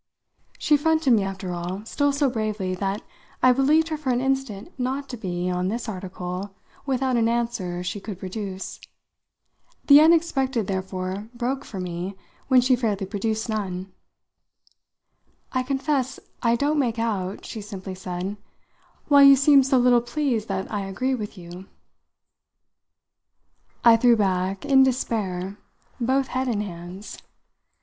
She fronted me, after all, still so bravely that I believed her for an instant not to be, on this article, without an answer she could produce. The unexpected therefore broke for me when she fairly produced none. "I confess I don't make out," she simply said, "while you seem so little pleased that I agree with you." I threw back, in despair, both head and hands.